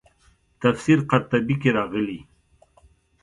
تفسیر قرطبي کې راغلي.